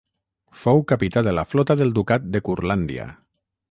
Fou capità de la flota del ducat de Curlàndia.